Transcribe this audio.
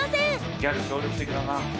ギャル協力的だな。